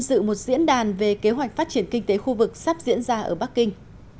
dự một diễn đàn về kế hoạch phát triển kinh tế khu vực sắp diễn ra ở bắc kinh